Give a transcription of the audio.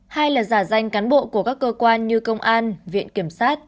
hai là giả danh cán bộ của các cơ quan như công an viện kiểm sát